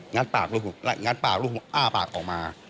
งัดปากอ้าปากออกมา